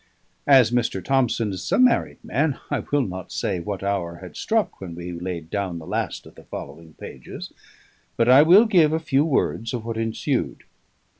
_ As Mr. Thomson is a married man, I will not say what hour had struck when we laid down the last of the following pages; but I will give a few words of what ensued.